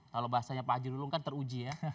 kalau bahasanya pak haji lulung kan teruji ya